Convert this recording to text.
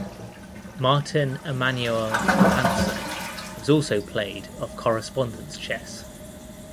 Martin Emanuel Johansson was also played of correspondence chess.